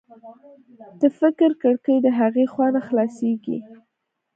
د فکر کړکۍ هغې خوا نه خلاصېږي